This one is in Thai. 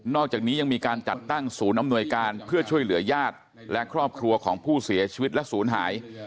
อกจากนี้ยังมีการจัดตั้งศูนย์อำนวยการเพื่อช่วยเหลือญาติและครอบครัวของผู้เสียชีวิตและศูนย์หาย